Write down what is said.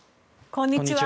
こんにちは。